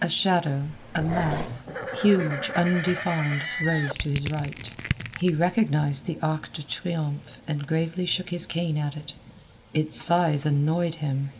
A shadow, a mass, huge, undefined, rose to his right. He recognized the Arc de Triomphe and gravely shook his cane at it. Its size annoyed him.